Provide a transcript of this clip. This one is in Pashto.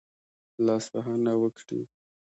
لاسوهنه وکړي.